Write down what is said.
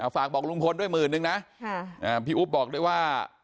ฝากบอกลุงพลด้วยหมื่นนึงนะพี่อุ๊บบอกด้วยว่า